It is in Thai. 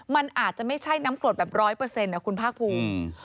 มันอาจจะไม่ใช่น้ำโกรธแบบ๑๐๐คุณภาคภูมิ